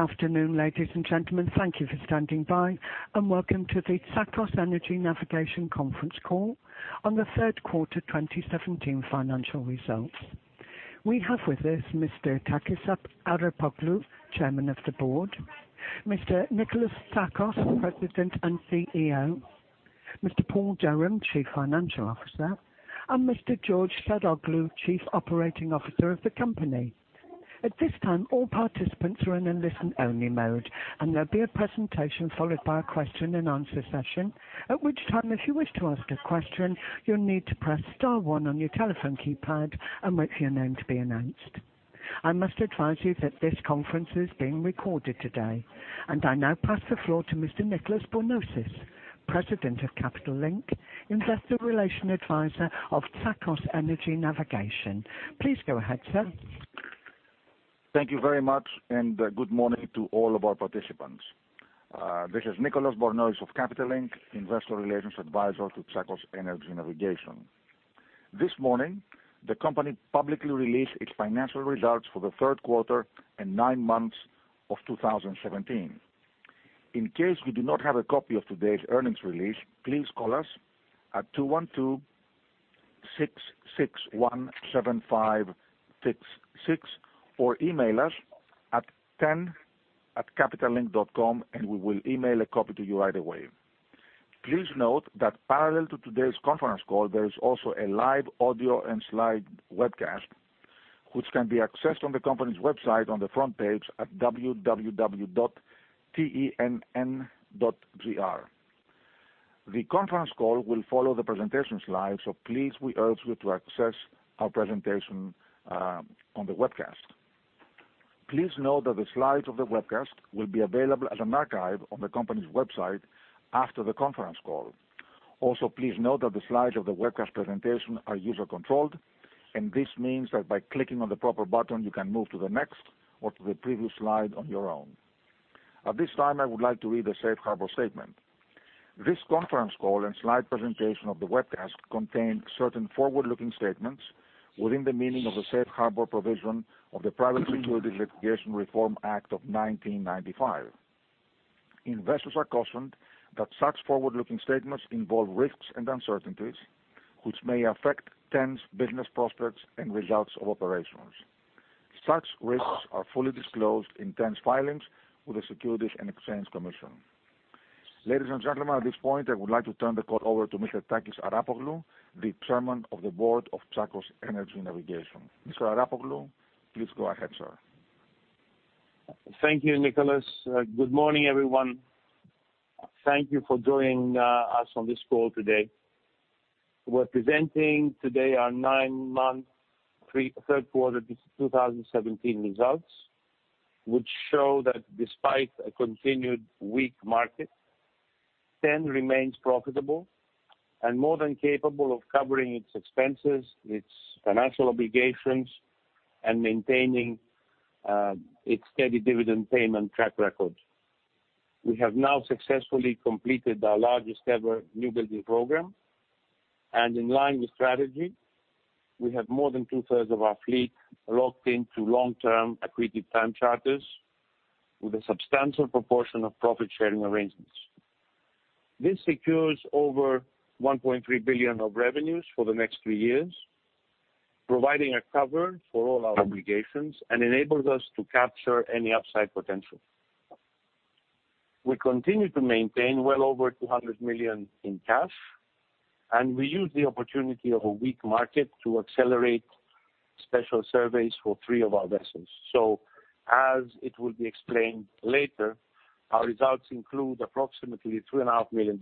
Good afternoon, ladies and gentlemen. Thank you for standing by, and welcome to the Tsakos Energy Navigation conference call on the third quarter 2017 financial results. We have with us Mr. Takis Arapoglou, Chairman of the Board, Mr. Nikolas Tsakos, President and CEO, Mr. Paul Durham, Chief Financial Officer, and Mr. George Saroglou, Chief Operating Officer of the company. At this time, all participants are in a listen-only mode. There'll be a presentation followed by a question-and-answer session. At which time, if you wish to ask a question, you'll need to press star one on your telephone keypad and wait for your name to be announced. I must advise you that this conference is being recorded today. I now pass the floor to Mr. Nicolas Bornozis, President of Capital Link, Investor Relations Advisor of Tsakos Energy Navigation. Please go ahead, sir. Thank you very much. Good morning to all of our participants. This is Nicolas Bornozis of Capital Link, Investor Relations Advisor to Tsakos Energy Navigation. This morning, the company publicly released its financial results for the third quarter and nine months of 2017. In case you do not have a copy of today's earnings release, please call us at 212-661-7566 or email us at ten@capitallink.com. We will email a copy to you right away. Please note that parallel to today's conference call, there is also a live audio and slide webcast, which can be accessed on the company's website on the front page at www.tenn.gr. The conference call will follow the presentation slides, please, we urge you to access our presentation on the webcast. Please note that the slides of the webcast will be available as an archive on the company's website after the conference call. Also, please note that the slides of the webcast presentation are user-controlled. This means that by clicking on the proper button, you can move to the next or to the previous slide on your own. At this time, I would like to read the safe harbor statement. This conference call and slide presentation of the webcast contain certain forward-looking statements within the meaning of the safe harbor provision of the Private Securities Litigation Reform Act of 1995. Investors are cautioned that such forward-looking statements involve risks and uncertainties, which may affect TEN's business prospects and results of operations. Such risks are fully disclosed in TEN's filings with the Securities and Exchange Commission. Ladies and gentlemen, at this point, I would like to turn the call over to Mr. Efstratios-Georgios Arapoglou, the Chairman of the Board of Tsakos Energy Navigation. Mr. Arapoglou, please go ahead, sir. Thank you, Nicolas. Good morning, everyone. Thank you for joining us on this call today. We're presenting today our nine-month, third quarter 2017 results, which show that despite a continued weak market, TEN remains profitable and more than capable of covering its expenses, its financial obligations, and maintaining its steady dividend payment track record. We have now successfully completed our largest-ever new building program. In line with strategy, we have more than two-thirds of our fleet locked into long-term equity time charters with a substantial proportion of profit-sharing arrangements. This secures over $1.3 billion of revenues for the next three years, providing a cover for all our obligations and enables us to capture any upside potential. We continue to maintain well over $200 million in cash. We use the opportunity of a weak market to accelerate special surveys for three of our vessels. As it will be explained later, our results include approximately $3.5 million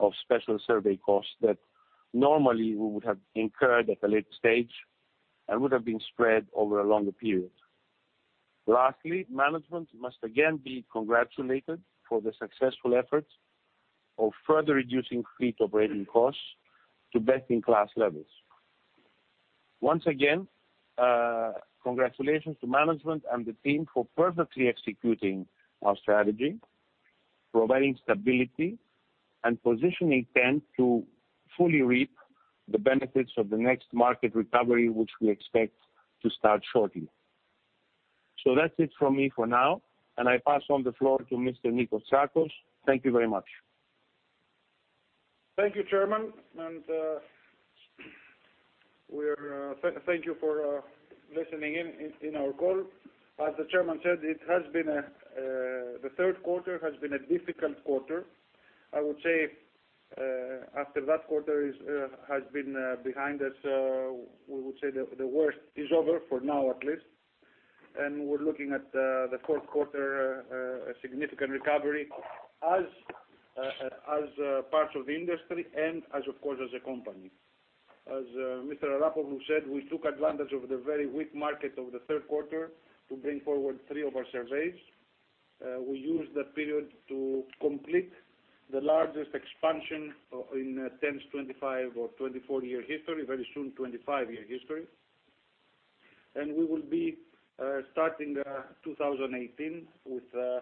of special survey costs that normally we would have incurred at a later stage and would have been spread over a longer period. Lastly, management must again be congratulated for the successful efforts of further reducing fleet operating costs to best-in-class levels. Once again, congratulations to management and the team for perfectly executing our strategy, providing stability, and positioning TEN to fully reap the benefits of the next market recovery, which we expect to start shortly. That's it from me for now, and I pass on the floor to Mr. Nico Tsakos. Thank you very much. Thank you, Chairman, and thank you for listening in our call. As the chairman said, the third quarter has been a difficult quarter. I would say after that quarter has been behind us, we would say the worst is over, for now at least. We're looking at the fourth quarter, a significant recovery as parts of the industry and of course as a company. As Mr. Arapoglou said, we took advantage of the very weak market of the third quarter to bring forward three of our surveys. We used that period to complete the largest expansion in TEN's 25 or 24-year history, very soon 25-year history. We will be starting 2018 with a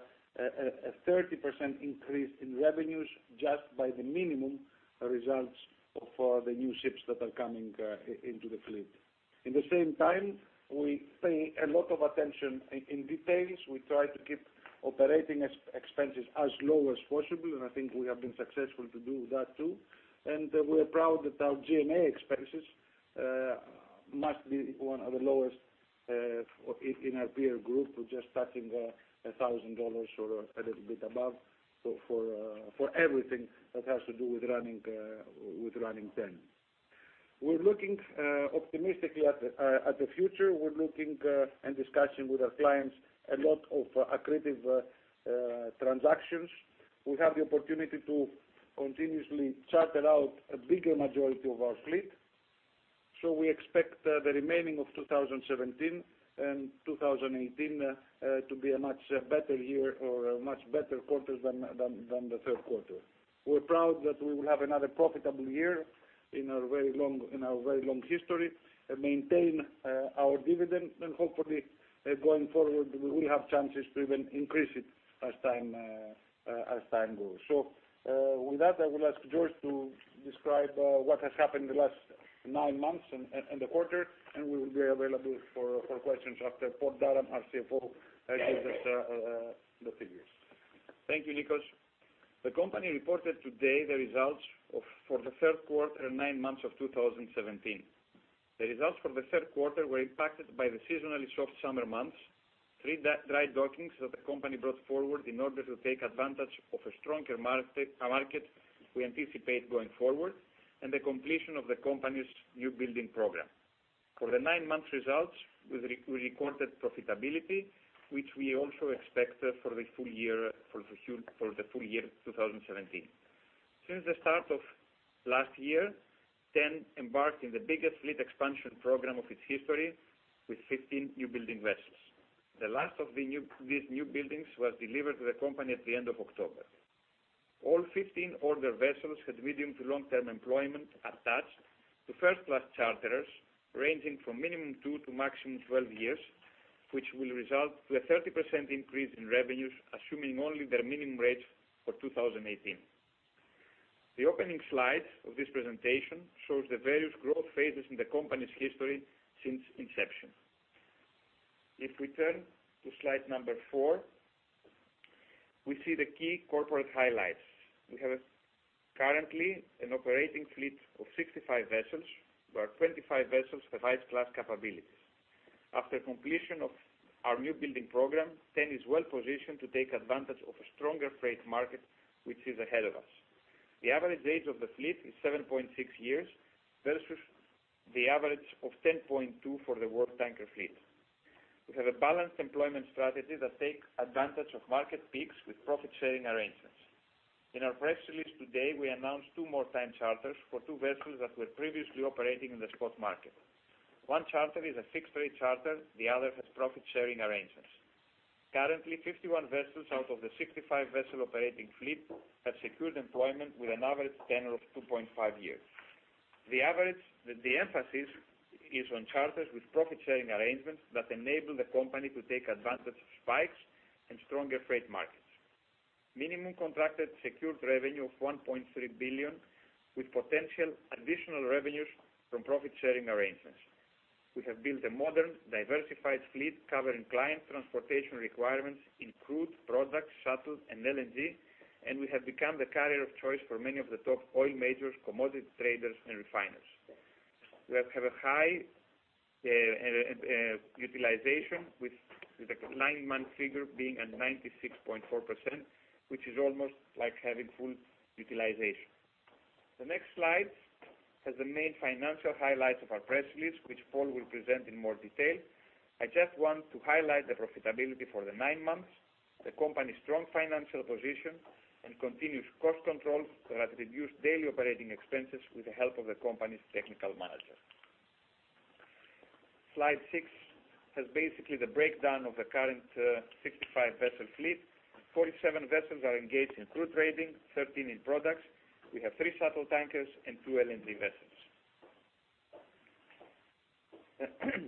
30% increase in revenues just by the minimum results for the new ships that are coming into the fleet. In the same time, we pay a lot of attention in details. We try to keep operating expenses as low as possible, and I think we have been successful to do that too. We're proud that our G&A expenses must be one of the lowest in our peer group. We're just touching $1,000 or a little bit above for everything that has to do with running TEN. We're looking optimistically at the future. We're looking and discussing with our clients a lot of accretive transactions. We have the opportunity to continuously charter out a bigger majority of our fleet. We expect the remaining of 2017 and 2018 to be a much better year or much better quarters than the third quarter. We're proud that we will have another profitable year in our very long history, maintain our dividend, and hopefully, going forward, we will have chances to even increase it as time goes. With that, I will ask George to describe what has happened the last nine months and the quarter, and we will be available for questions after Paul Durham, our CFO, gives us the figures. Thank you, Nikos. The company reported today the results for the third quarter, nine months of 2017. The results for the third quarter were impacted by the seasonally soft summer months, three dry dockings that the company brought forward in order to take advantage of a stronger market we anticipate going forward, and the completion of the company's newbuilding program. For the nine-month results, we recorded profitability, which we also expect for the full year 2017. Since the start of last year, TEN embarked in the biggest fleet expansion program of its history with 15 newbuilding vessels. The last of these newbuildings was delivered to the company at the end of October. All 15 order vessels had medium to long-term employment attached to first-class charterers ranging from minimum two to maximum 12 years, which will result to a 30% increase in revenues, assuming only their minimum rates for 2018. The opening slide of this presentation shows the various growth phases in the company's history since inception. If we turn to slide number four, we see the key corporate highlights. We have currently an operating fleet of 65 vessels, where 25 vessels have ice-class capabilities. After completion of our newbuilding program, TEN is well-positioned to take advantage of a stronger freight market, which is ahead of us. The average age of the fleet is 7.6 years versus the average of 10.2 for the world tanker fleet. We have a balanced employment strategy that takes advantage of market peaks with profit-sharing arrangements. In our press release today, we announced two more time charters for two vessels that were previously operating in the spot market. One charter is a fixed-rate charter, the other has profit-sharing arrangements. Currently, 51 vessels out of the 65 vessel operating fleet have secured employment with an average tenure of 2.5 years. The emphasis is on charters with profit-sharing arrangements that enable the company to take advantage of spikes and stronger freight markets. Minimum contracted secured revenue of $1.3 billion with potential additional revenues from profit-sharing arrangements. We have built a modern, diversified fleet covering client transportation requirements in crude, products, shuttle, and LNG, and we have become the carrier of choice for many of the top oil majors, commodity traders, and refiners. We have a high utilization with the nine-month figure being at 96.4%, which is almost like having full utilization. The next slide has the main financial highlights of our press release, which Paul will present in more detail. I just want to highlight the profitability for the nine months, the company's strong financial position, and continuous cost control that reduced daily operating expenses with the help of the company's technical manager. Slide six has basically the breakdown of the current 65 vessel fleet. 47 vessels are engaged in crude trading, 13 in products. We have three shuttle tankers and two LNG vessels.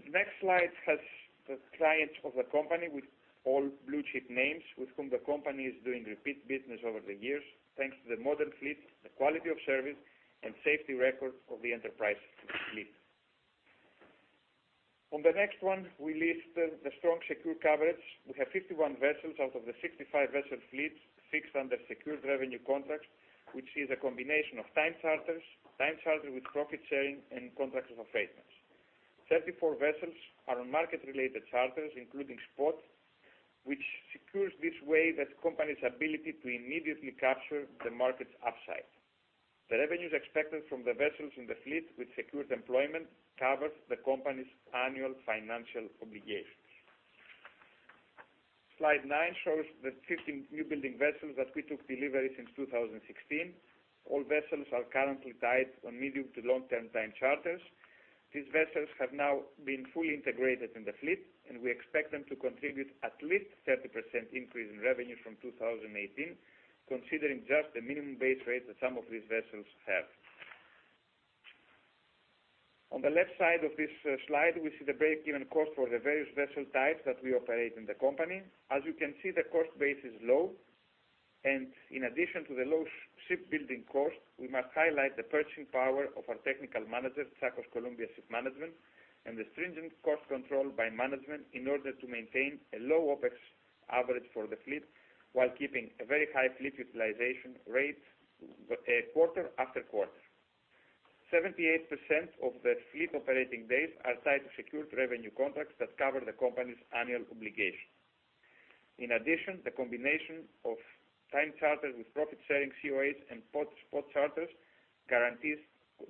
Next slide has the clients of the company with all blue-chip names with whom the company is doing repeat business over the years, thanks to the modern fleet, the quality of service, and safety record of the Enterprise fleet. On the next one, we list the strong secure coverage. We have 51 vessels out of the 65 vessel fleet fixed under secured revenue contracts, which is a combination of time charters, time charter with profit-sharing, and contracts of affreightment. 34 vessels are on market-related charters, including spot, which secures this way the company's ability to immediately capture the market's upside. The revenues expected from the vessels in the fleet with secured employment covers the company's annual financial obligations. Slide nine shows the 15 new building vessels that we took delivery since 2016. All vessels are currently tied on medium to long-term time charters. These vessels have now been fully integrated in the fleet, and we expect them to contribute at least 30% increase in revenue from 2018, considering just the minimum base rate that some of these vessels have. On the left side of this slide, we see the break-even cost for the various vessel types that we operate in the company. As you can see, the cost base is low. In addition to the low shipbuilding cost, we must highlight the purchasing power of our technical manager, Tsakos Columbia Shipmanagement, and the stringent cost control by management in order to maintain a low OpEx average for the fleet while keeping a very high fleet utilization rate quarter after quarter. 78% of the fleet operating days are tied to secured revenue contracts that cover the company's annual obligation. In addition, the combination of time charter with profit sharing COAs and spot charters guarantees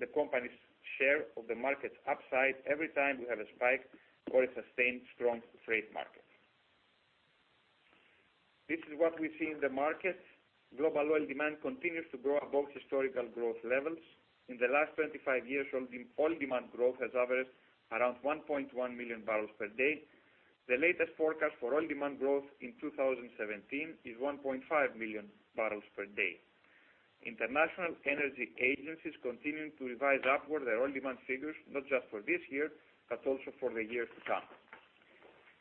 the company's share of the market's upside every time we have a spike or a sustained strong freight market. This is what we see in the market. Global oil demand continues to grow above historical growth levels. In the last 25 years, oil demand growth has averaged around 1.1 million barrels per day. The latest forecast for oil demand growth in 2017 is 1.5 million barrels per day. International energy agencies continuing to revise upward their oil demand figures, not just for this year, but also for the years to come.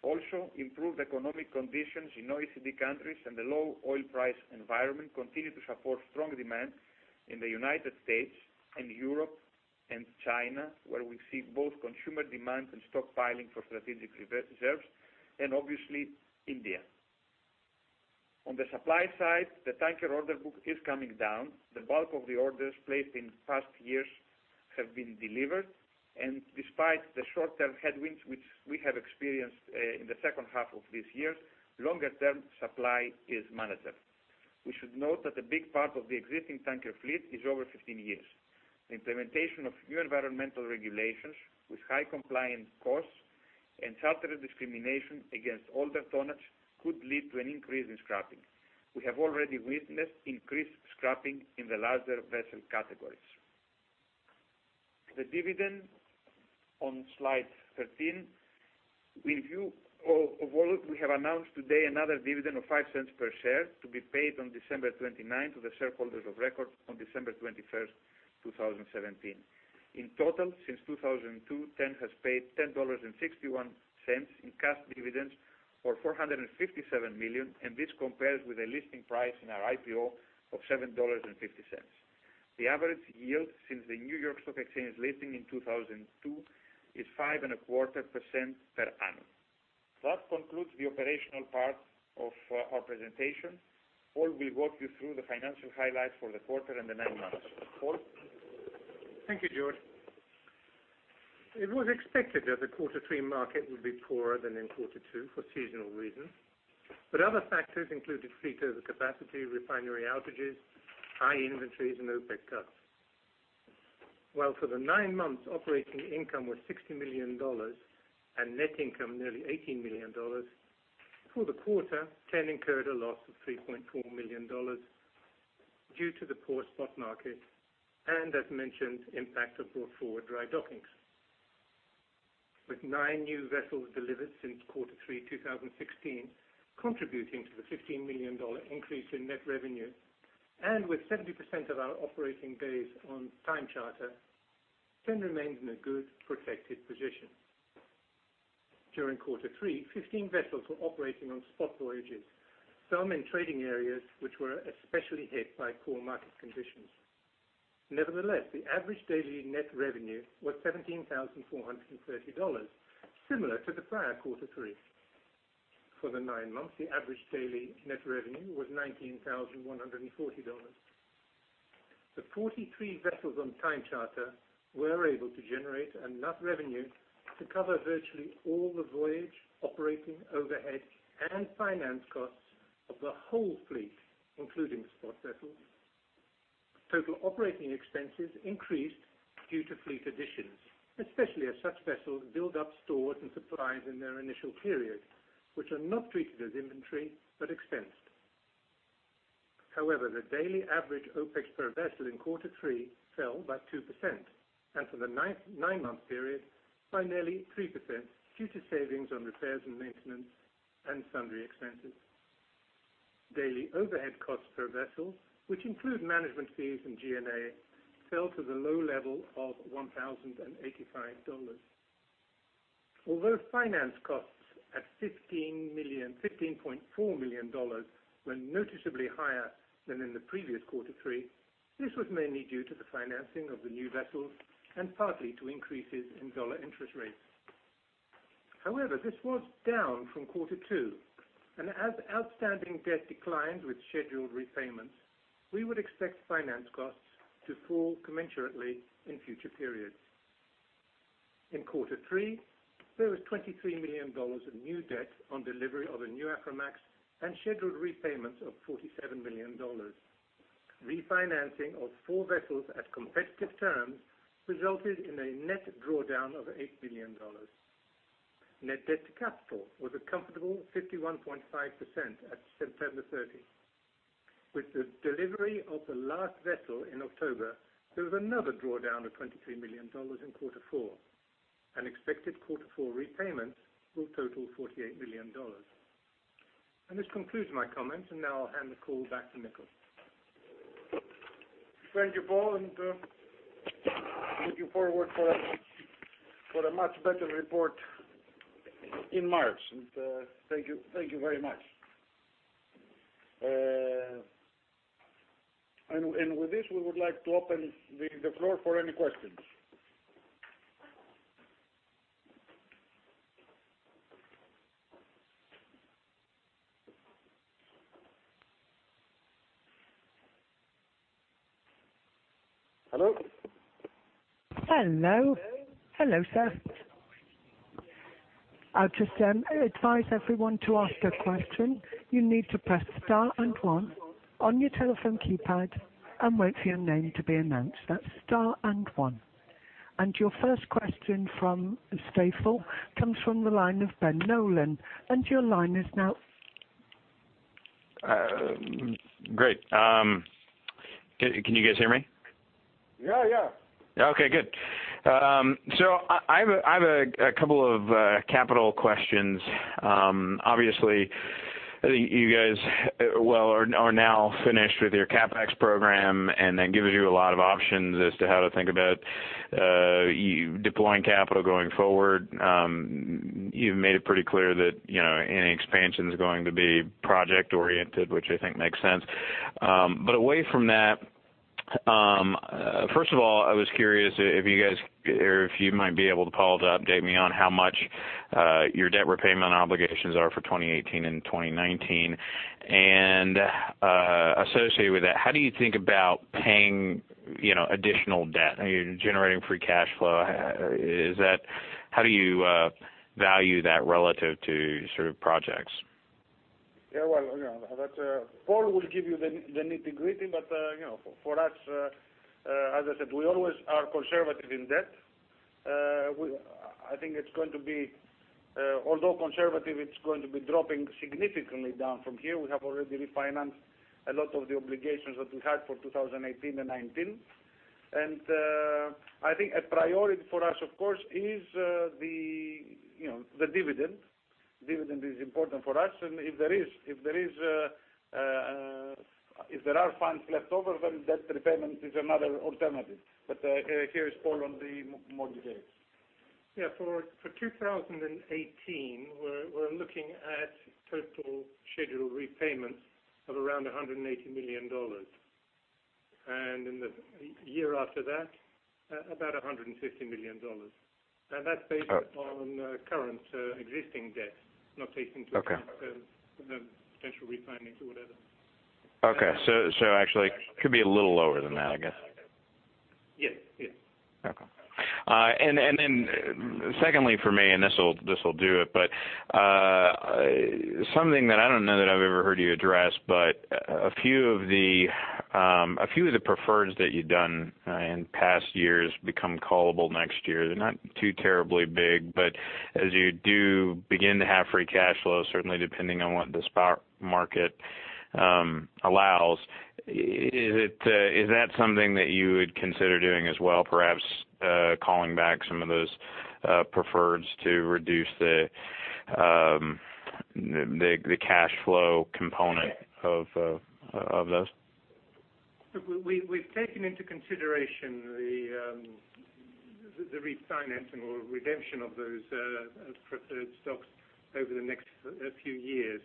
Also, improved economic conditions in OECD countries and the low oil price environment continue to support strong demand in the United States, in Europe, and China, where we see both consumer demand and stockpiling for strategic reserves, and obviously India. On the supply side, the tanker order book is coming down. The bulk of the orders placed in past years have been delivered, and despite the short-term headwinds, which we have experienced in the second half of this year, longer-term supply is managed. We should note that a big part of the existing tanker fleet is over 15 years. The implementation of new environmental regulations with high compliance costs and charter discrimination against older tonnage could lead to an increase in scrapping. We have already witnessed increased scrapping in the larger vessel categories. The dividend on slide 13. In view of all, we have announced today another dividend of $0.05 per share to be paid on December 29th to the shareholders of record on December 21st, 2017. In total, since 2002, TEN has paid $10.61 in cash dividends or $457 million, and this compares with a listing price in our IPO of $7.50. The average yield since the New York Stock Exchange listing in 2002 is 5.25% per annum. That concludes the operational part of our presentation. Paul will walk you through the financial highlights for the quarter and the nine months. Paul? Thank you, George. It was expected that the quarter three market would be poorer than in quarter two for seasonal reasons, but other factors included fleet overcapacity, refinery outages, high inventories, and OPEC cuts. While for the nine months operating income was $60 million and net income nearly $18 million, through the quarter, TEN incurred a loss of $3.4 million due to the poor spot market and, as mentioned, impact of brought forward dry dockings. With nine new vessels delivered since quarter three 2016 contributing to the $15 million increase in net revenue, with 70% of our operating days on time charter, TEN remains in a good, protected position. During quarter three, 15 vessels were operating on spot voyages, some in trading areas which were especially hit by poor market conditions. Nevertheless, the average daily net revenue was $17,430, similar to the prior quarter three. For the nine months, the average daily net revenue was $19,140. The 43 vessels on time charter were able to generate enough revenue to cover virtually all the voyage, operating overhead, and finance costs of the whole fleet, including the spot vessels. Total operating expenses increased due to fleet additions, especially as such vessels build up stores and supplies in their initial period, which are not treated as inventory but expensed. However, the daily average OpEx per vessel in quarter three fell by 2%, and for the nine-month period by nearly 3% due to savings on repairs and maintenance and sundry expenses. Daily overhead costs per vessel, which include management fees and G&A, fell to the low level of $1,085. Finance costs at $15.4 million were noticeably higher than in the previous quarter three, this was mainly due to the financing of the new vessels and partly to increases in dollar interest rates. However, this was down from quarter two, as outstanding debt declines with scheduled repayments, we would expect finance costs to fall commensurately in future periods. In quarter three, there was $23 million of new debt on delivery of a new Aframax and scheduled repayments of $47 million. Refinancing of four vessels at competitive terms resulted in a net drawdown of $8 million. Net debt to capital was a comfortable 51.5% at September 30. With the delivery of the last vessel in October, there was another drawdown of $23 million in quarter four, expected quarter four repayments will total $48 million. This concludes my comments, now I'll hand the call back to Nikolas. Thank you, Paul and Look you forward for a much better report in March. Thank you very much. With this, we would like to open the floor for any questions. Hello? Hello. Hello, sir. I'll just advise everyone to ask a question. You need to press star and one on your telephone keypad and wait for your name to be announced. That's star and one. Your first question from Stifel comes from the line of Ben Nolan. Your line is now- Great. Can you guys hear me? Yeah. Okay, good. I have a couple of capital questions. Obviously, I think you guys are now finished with your CapEx program, and that gives you a lot of options as to how to think about deploying capital going forward. You've made it pretty clear that any expansion is going to be project-oriented, which I think makes sense. Away from that, first of all, I was curious if you might be able to, Paul, to update me on how much your debt repayment obligations are for 2018 and 2019. Associated with that, how do you think about paying additional debt? You're generating free cash flow. How do you value that relative to sort of projects? Paul will give you the nitty-gritty, but for us, as I said, we always are conservative in debt. I think although conservative, it's going to be dropping significantly down from here. We have already refinanced a lot of the obligations that we had for 2018 and 2019. I think a priority for us, of course, is the dividend. Dividend is important for us. If there are funds left over, then debt repayment is another alternative. Here is Paul on the more details. For 2018, we're looking at total scheduled repayments of around $180 million. In the year after that, about $150 million. That's based upon current existing debt, not taking into account the potential refinancing or whatever. Actually could be a little lower than that, I guess. Yes. Secondly for me, and this will do it, but something that I don't know that I've ever heard you address, but a few of the preferreds that you've done in past years become callable next year. They're not too terribly big, but as you do begin to have free cash flow, certainly depending on what the spot market allows, is that something that you would consider doing as well, perhaps calling back some of those preferreds to reduce the cash flow component of those? We've taken into consideration the refinancing or redemption of those preferred stocks over the next few years.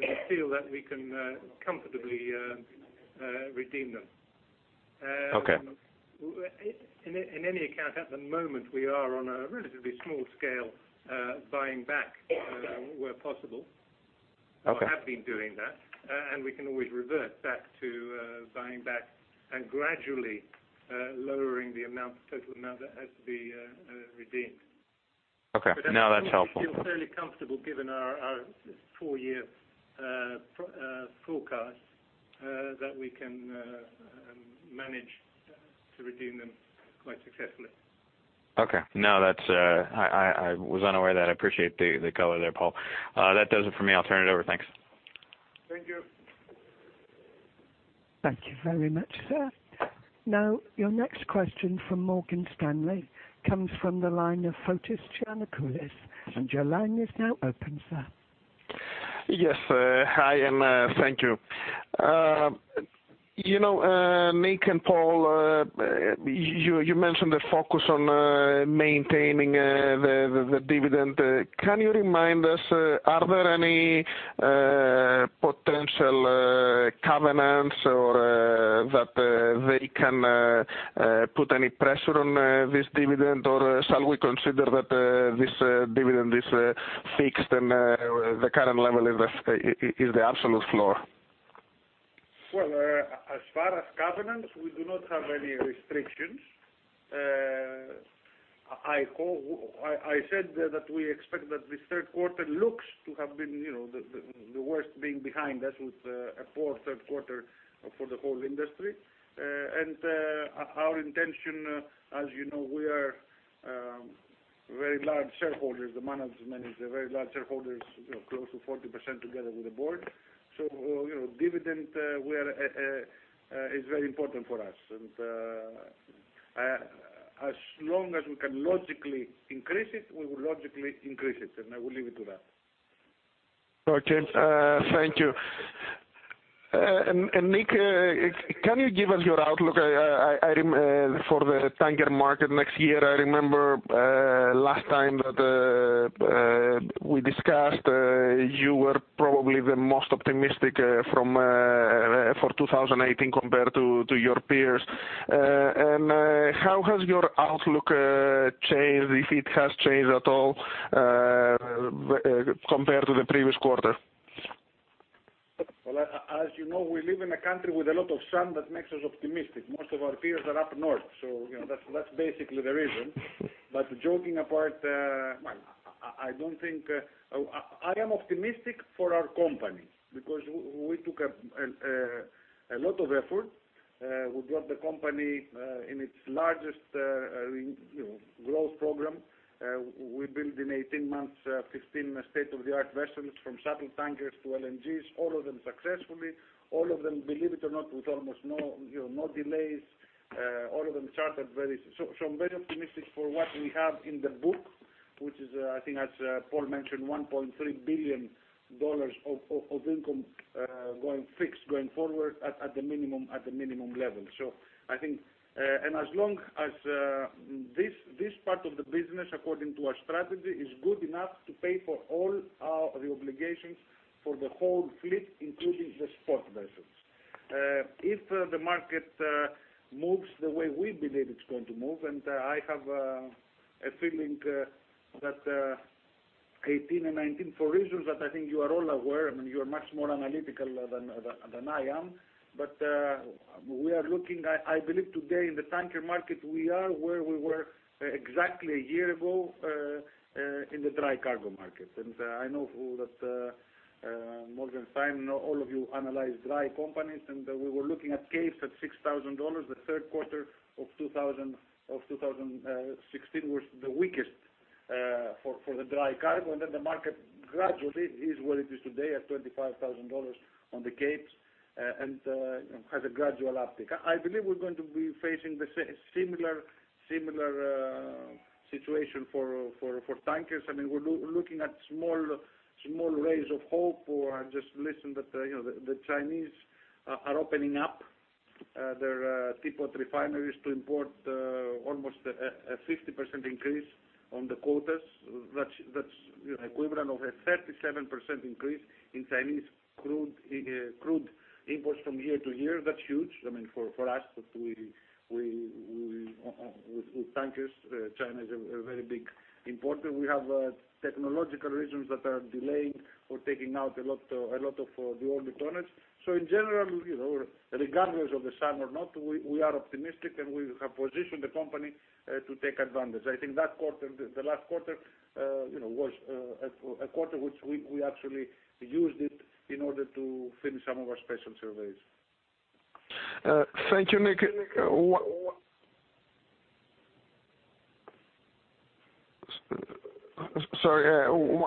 We feel that we can comfortably redeem them. Okay. In any account at the moment, we are on a relatively small scale buying back where possible. Okay. We have been doing that. We can always revert back to buying back and gradually lowering the total amount that has to be redeemed. Okay. No, that's helpful. We feel fairly comfortable given our four-year forecast that we can manage to redeem them quite successfully. Okay. No, I was unaware that. I appreciate the color there, Paul. That does it for me. I'll turn it over. Thanks. Thank you. Thank you very much, sir. Now, your next question from Morgan Stanley comes from the line of Fotis Giannakoulis. Your line is now open, sir. Yes. Hi, thank you. Nik and Paul, you mentioned the focus on maintaining the dividend. Can you remind us, are there any potential covenants or that they can put any pressure on this dividend, or shall we consider that this dividend is fixed and the current level is the absolute floor? As far as covenants, we do not have any restrictions. I said that we expect that this third quarter looks to have been the worst being behind us with a poor third quarter for the whole industry. Our intention, as you know, we are very large shareholders. The management is a very large shareholder, close to 40% together with the board. Dividend is very important for us. As long as we can logically increase it, we will logically increase it. I will leave it to that. Thank you. Nik, can you give us your outlook for the tanker market next year? I remember last time that we discussed, you were probably the most optimistic for 2018 compared to your peers. How has your outlook changed, if it has changed at all, compared to the previous quarter? As you know, we live in a country with a lot of sun that makes us optimistic. Most of our peers are up north, that’s basically the reason. Joking apart, I am optimistic for our company because we took a lot of effort. We brought the company in its largest growth program. We built in 18 months, 15 state-of-the-art vessels from shuttle tankers to LNGs, all of them successfully, all of them, believe it or not, with almost no delays, all of them chartered very soon. I'm very optimistic for what we have in the book, which is, I think as Paul mentioned, $1.3 billion of income fixed going forward at a minimum level. As long as this part of the business, according to our strategy, is good enough to pay for all the obligations for the whole fleet, including the spot vessels. If the market moves the way we believe it's going to move, I have a feeling that 2018 and 2019, for reasons that I think you are all aware, I mean, you are much more analytical than I am. I believe today in the tanker market, we are where we were exactly a year ago in the dry cargo market. I know that Morgan Stanley, all of you analyze dry companies, and we were looking at Capesize at $6,000. The third quarter of 2016 was the weakest for the dry cargo. The market gradually is what it is today at $25,000 on the Capesize and has a gradual uptick. I believe we're going to be facing the similar situation for tankers. I mean, we're looking at small rays of hope or I just listened that the Chinese are opening up their teapot refineries to import almost a 50% increase on the quotas. That's equivalent of a 37% increase in Chinese crude imports from year-to-year. That's huge. I mean, for us with tankers, China is a very big importer. We have technological reasons that are delaying or taking out a lot of the older tonnage. In general, regardless of the sun or not, we are optimistic, and we have positioned the company to take advantage. I think the last quarter was a quarter which we actually used it in order to finish some of our special surveys. Thank you, Nik. Sorry,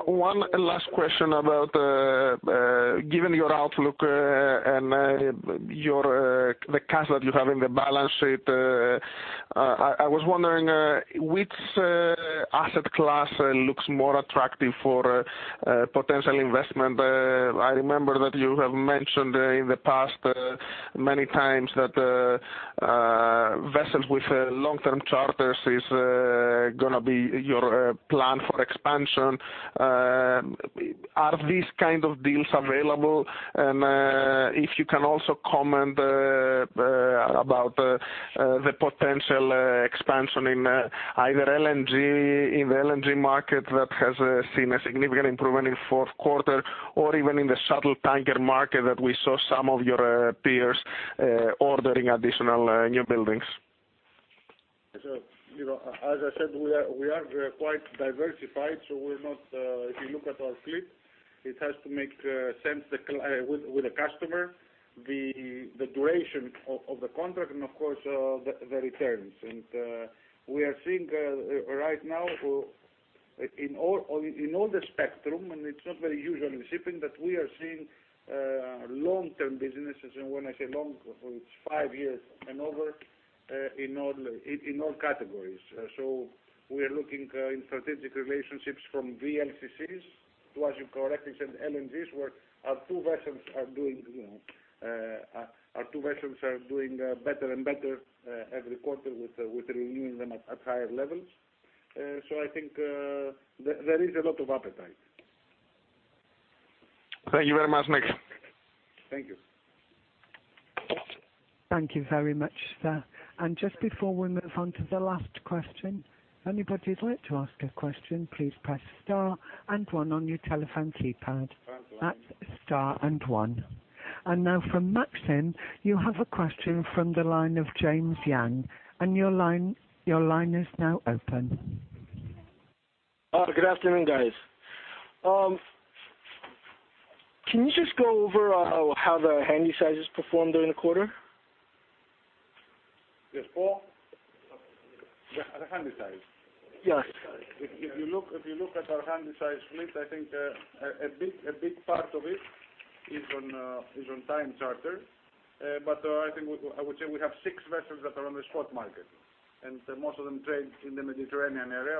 one last question about giving your outlook and the cash that you have in the balance sheet. I was wondering which asset class looks more attractive for potential investment. I remember that you have mentioned in the past many times that vessels with long-term charters is going to be your plan for expansion. Are these kind of deals available? If you can also comment about the potential expansion in either LNG, in the LNG market that has seen a significant improvement in fourth quarter or even in the shuttle tanker market that we saw some of your peers ordering additional new buildings. As I said, we are quite diversified, so if you look at our fleet, it has to make sense with the customer, the duration of the contract, and of course, the returns. We are seeing right now in all the spectrum, and it's not very usual in shipping, that we are seeing long-term businesses, and when I say long, it's five years and over, in all categories. We are looking in strategic relationships from VLCCs to, as you correctly said, LNGs, where our two vessels are doing better and better every quarter with renewing them at higher levels. I think there is a lot of appetite. Thank you very much, Nik. Thank you. Thank you very much, sir. Just before we move on to the last question, anybody who'd like to ask a question, please press star and one on your telephone keypad. That's star and one. Now from Maxim, you have a question from the line of James Jang, and your line is now open. Good afternoon, guys. Can you just go over how the Handysizes performed during the quarter? Yes, Paul? The Handysize. Yes. If you look at our Handysize fleet, I think a big part of it is on time charter. I think I would say we have six vessels that are on the spot market, most of them trade in the Mediterranean area.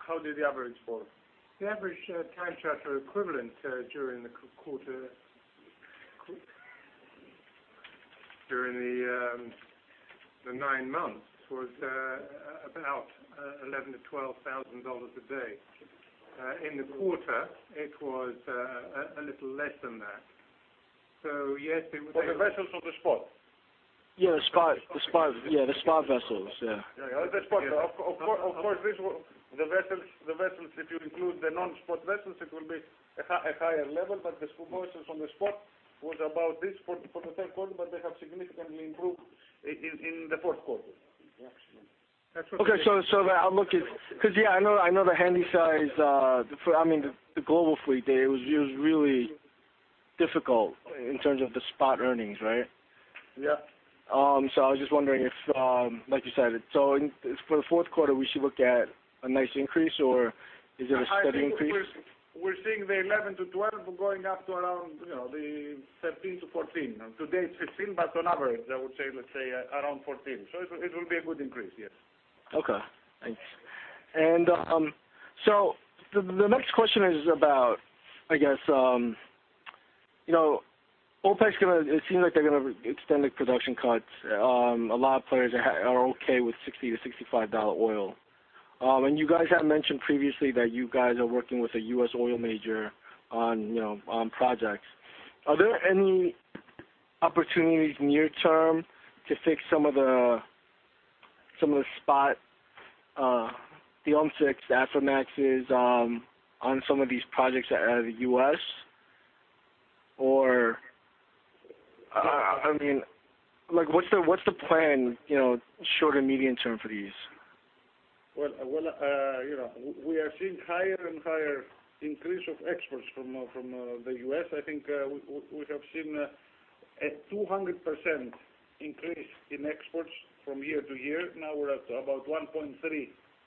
How did the average fall? The average time charter equivalent during the nine months was about $11,000-$12,000 a day. In the quarter, it was a little less than that. Yes, it was. For the vessels on the spot? Yeah, the spot vessels. Yeah. Yeah. The spot. Of course, the vessels, if you include the non-spot vessels, it will be a higher level, but the focus on the spot was about this for the third quarter, but they have significantly improved in the fourth quarter. Yeah. Okay. Because yeah, I know the global fleet there, it was really difficult in terms of the spot earnings, right? Yeah. I was just wondering if, like you said, so for the fourth quarter, we should look at a nice increase or is it a steady increase? I think we're seeing the $11,000-$12,000 going up to around the $13,000-$14,000. Today it's $15,000, but on average, I would say, let's say around $14,000. It will be a good increase, yes. Okay, thanks. The next question is about, it seems like they're going to extend the production cuts. A lot of players are okay with $60-$65 oil. You guys have mentioned previously that you guys are working with a U.S. oil major on projects. Are there any opportunities near term to fix some of the spot, the VLCCs, Aframaxes, on some of these projects out of the U.S. or, I mean, like what's the plan short and medium term for these? Well, we are seeing higher and higher increase of exports from the U.S. I think we have seen a 200% increase in exports from year-to-year. Now we're at about 1.3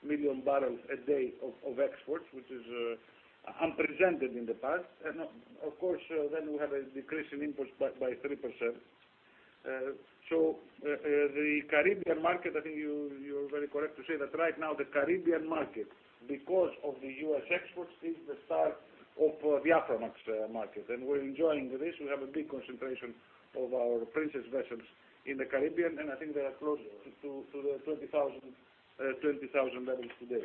million barrels a day of exports, which is unprecedented in the past. We have a decrease in imports by 3%. The Caribbean market, I think you're very correct to say that right now the Caribbean market, because of the U.S. exports, is the star of the Aframax market. We're enjoying this. We have a big concentration of our Princess vessels in the Caribbean, and I think they are closer to the 20,000 barrels a day.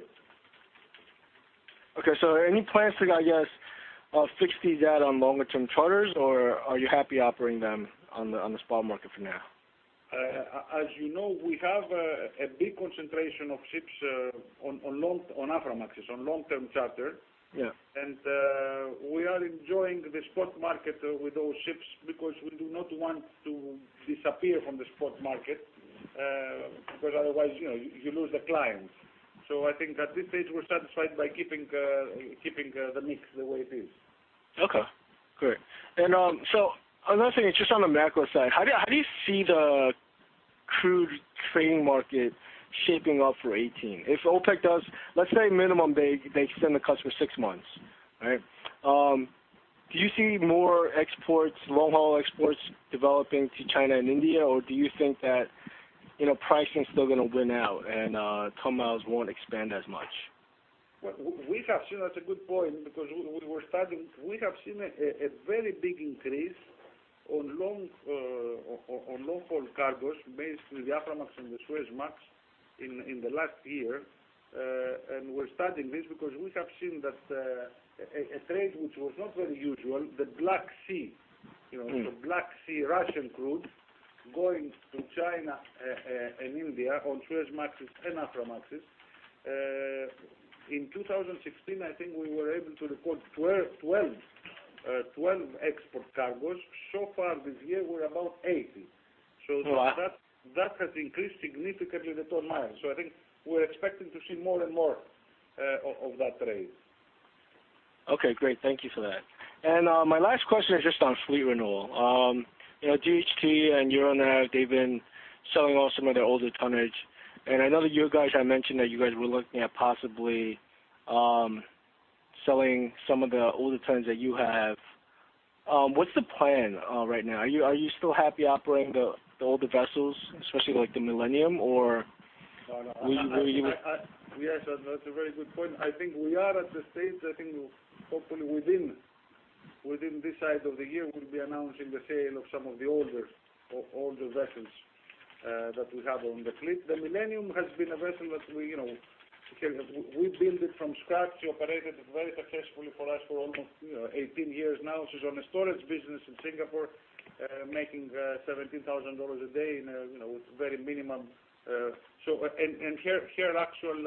Okay, any plans to, I guess, fix these at on longer term charters, or are you happy operating them on the spot market for now? As you know, we have a big concentration of ships on Aframaxes on long-term charter. Yeah. We are enjoying the spot market with those ships because we do not want to disappear from the spot market, because otherwise you lose the clients. I think at this stage we're satisfied by keeping the mix the way it is. Okay, great. Another thing, just on the macro side, how do you see the crude trading market shaping up for 2018? If OPEC does, let's say minimum they extend the cuts for six months. Right? Do you see more exports, long-haul exports developing to China and India, or do you think that pricing is still going to win out and ton-miles won't expand as much? Well, that's a good point because we have seen a very big increase on long-haul cargoes, basically the Aframax and the Suezmax in the last year. We're studying this because we have seen that a trade which was not very usual, the Black Sea Russian crude going to China and India on Suezmaxes and Aframaxes. In 2016, I think we were able to record 12 export cargoes. Far this year, we're about 80. Wow. That has increased significantly the ton-mile. I think we're expecting to see more and more of that trade. Okay, great. Thank you for that. My last question is just on fleet renewal. DHT and Euronav, they've been selling off some of their older tonnage, and I know that you guys had mentioned that you guys were looking at possibly selling some of the older tons that you have. What's the plan right now? Are you still happy operating the older vessels, especially like the Millennium, or were you- Yes, that's a very good point. I think we are at the stage, I think hopefully within this side of the year, we'll be announcing the sale of some of the older vessels that we have on the fleet. The Millennium has been a vessel that we built it from scratch. She operated it very successfully for us for almost 18 years now. She's on a storage business in Singapore, making $17,000 a day with very minimum. Her actual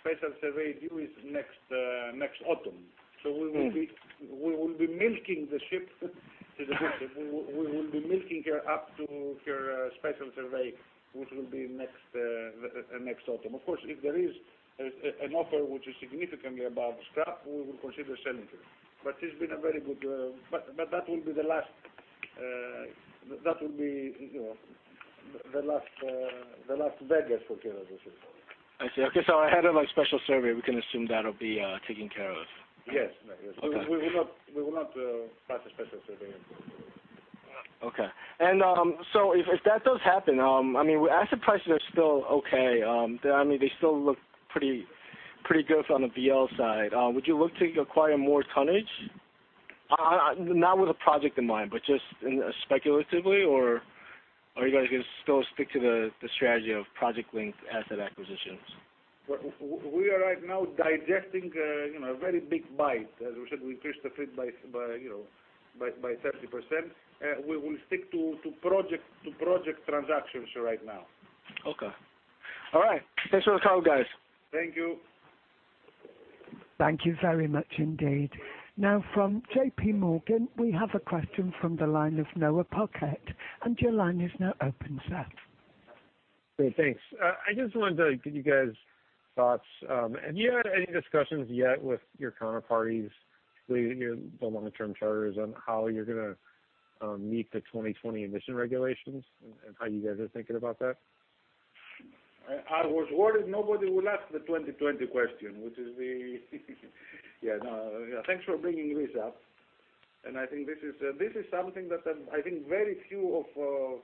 special survey due is next autumn. We will be milking the ship to the beast. We will be milking her up to her special survey, which will be next autumn. Of course, if there is an offer which is significantly above scrap, we will consider selling her. That would be the last baggage for Q4. I see. Okay, ahead of a special survey, we can assume that'll be taken care of. Yes. Okay. We will not have a special survey. Okay. If that does happen, asset prices are still okay. They still look pretty good from the SNL side. Would you look to acquire more tonnage? Not with a project in mind, but just speculatively, or are you guys going to still stick to the strategy of project-linked asset acquisitions? We are right now digesting a very big bite. As we said, we increased the fleet by 30%. We will stick to project transactions right now. Okay. All right. Thanks for the call, guys. Thank you. Thank you very much indeed. From J.P. Morgan, we have a question from the line of Noah Parquette, your line is now open, sir. Great. Thanks. I just wanted to get you guys' thoughts. Have you had any discussions yet with your counterparties, particularly the long-term charters, on how you're going to meet the 2020 emission regulations and how you guys are thinking about that? I was worried nobody will ask the 2020 question, which is the Thanks for bringing this up. I think this is something that I think very few of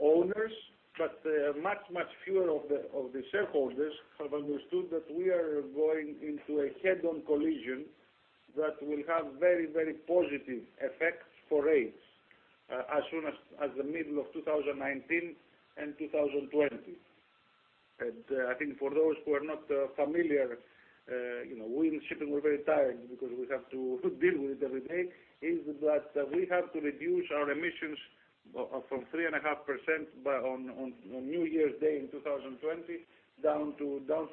owners, but much, much fewer of the shareholders have understood that we are going into a head-on collision that will have very, very positive effects for rates as soon as the middle of 2019 and 2020. I think for those who are not familiar, we in shipping, we're very tired because we have to deal with it every day, is that we have to reduce our emissions from 3.5% on New Year's Day in 2020 down to 0.5%.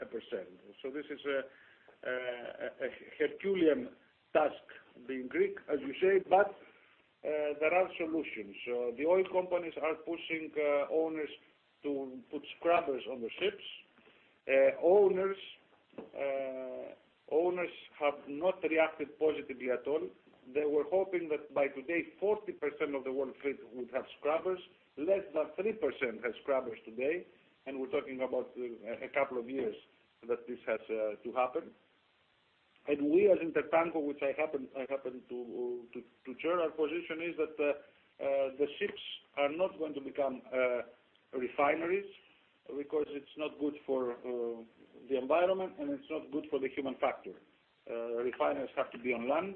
This is a Herculean task, being Greek, as you say. There are solutions. The oil companies are pushing owners to put scrubbers on the ships. Owners have not reacted positively at all. They were hoping that by today, 40% of the world fleet would have scrubbers. Less than 3% have scrubbers today, and we're talking about a couple of years that this has to happen. We as Intertanko, which I happen to chair, our position is that the ships are not going to become refineries because it's not good for the environment, and it's not good for the human factor. Refineries have to be on land.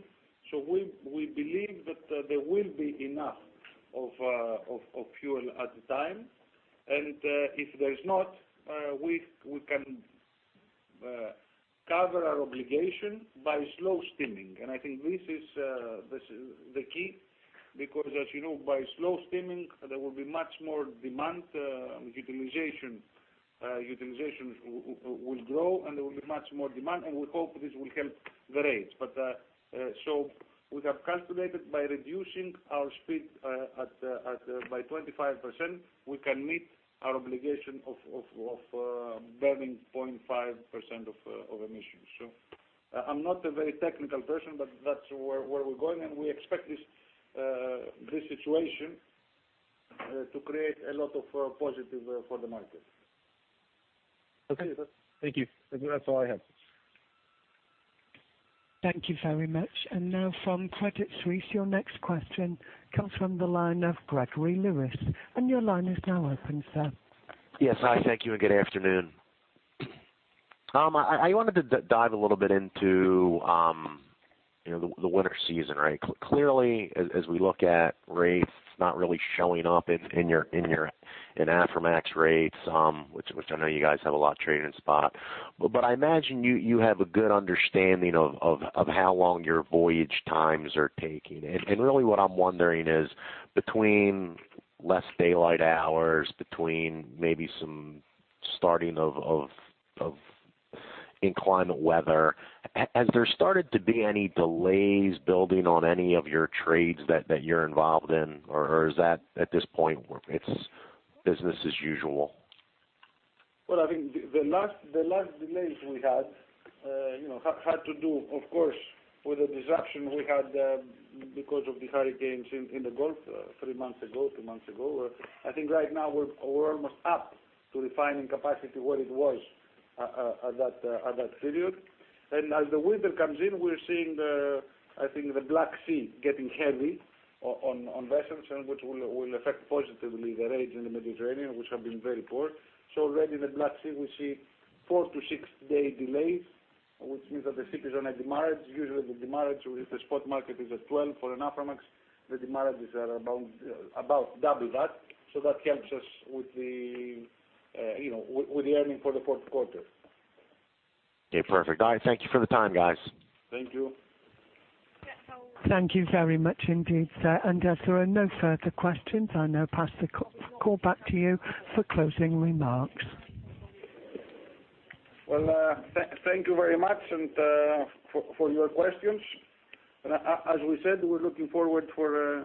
We believe that there will be enough of fuel at the time. If there is not, we can cover our obligation by slow steaming. I think this is the key because as you know, by slow steaming, there will be much more demand. Utilization will grow, and there will be much more demand, and we hope this will help the rates. We have calculated by reducing our speed by 25%, we can meet our obligation of burning 0.5% of emissions. I'm not a very technical person, but that's where we're going, and we expect this situation to create a lot of positive for the market. Okay. Thank you. That's all I have. Thank you very much. Now from Credit Suisse, your next question comes from the line of Gregory Lewis. Your line is now open, sir. Yes. Hi, thank you, good afternoon. I wanted to dive a little bit into the winter season, right? Clearly, as we look at rates not really showing up in Aframax rates, which I know you guys have a lot trade in spot. I imagine you have a good understanding of how long your voyage times are taking. Really what I'm wondering is between less daylight hours, between maybe some starting of inclement weather, has there started to be any delays building on any of your trades that you're involved in, or is that at this point it's business as usual? Well, I think the last delays we had to do, of course, with the disruption we had because of the hurricanes in the Gulf three months ago, two months ago. I think right now we're almost up to refining capacity where it was at that period. As the winter comes in, we're seeing the, I think the Black Sea getting heavy on vessels, which will affect positively the rates in the Mediterranean, which have been very poor. Already in the Black Sea, we see 4 to 6-day delays, which means that the ship is on a demurrage. Usually, the demurrage with the spot market is at $12 for an Aframax. The demurrage is at about double that. That helps us with the earning for the fourth quarter. Okay, perfect. All right. Thank you for the time, guys. Thank you. Thank you very much indeed, sir. As there are no further questions, I now pass the call back to you for closing remarks. Thank you very much and for your questions. As we said, we are looking forward for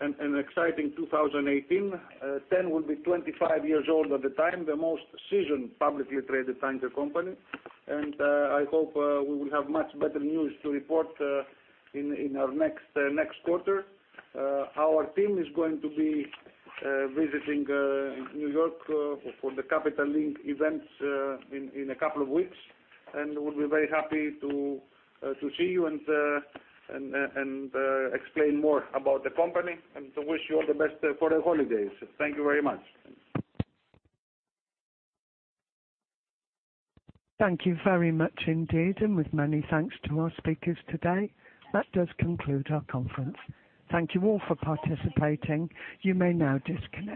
an exciting 2018. TEN will be 25 years old at the time, the most seasoned publicly traded tanker company. I hope we will have much better news to report in our next quarter. Our team is going to be visiting New York for the Capital Link events in a couple of weeks, and we will be very happy to see you and explain more about the company and to wish you all the best for the holidays. Thank you very much. Thank you very much indeed. With many thanks to our speakers today, that does conclude our conference. Thank you all for participating. You may now disconnect.